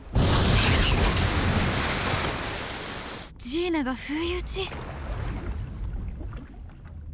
ジーナが不意打ち！